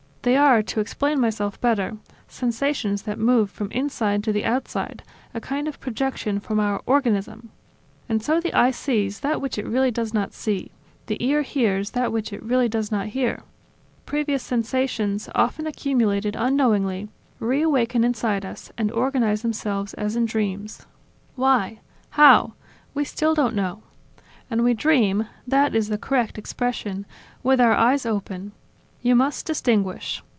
They are, to explain myself better, sensations that move from inside to the outside; a kind of projection from our organism. And so the eye sees that which it really does not see; the ear hears that which it really does not hear. Previous sensations, often accumulated unknowingly, re awaken inside us, and organize themselves as in dreams. Why? How? We still don't know. ... And we dream (that is the correct expression) with our eyes open. You must distinguish.